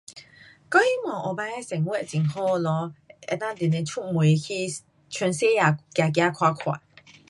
我希望将来生活很好咯，可以天天出门去世界走走看看。